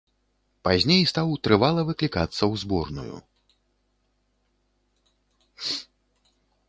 Пазней стаў трывала выклікацца ў зборную.